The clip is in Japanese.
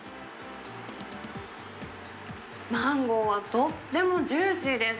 マンゴーはとってもジューシーです。